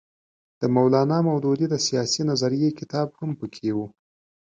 د مولانا مودودي د سیاسي نظریې کتاب هم پکې وو.